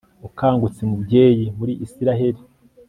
ukangutse, mubyeyi muri israheli